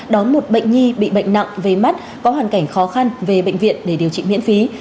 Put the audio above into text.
đón một bệnh nhi bị bệnh nặng về mắt có hoàn cảnh khó khăn về bệnh viện để điều trị miễn phí